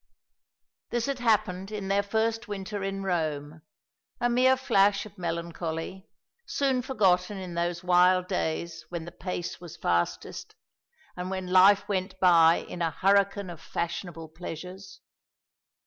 This had happened in their first winter in Rome a mere flash of melancholy soon forgotten in those wild days when the pace was fastest, and when life went by in a hurricane of fashionable pleasures.